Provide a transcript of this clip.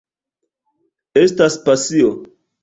Estas pasio.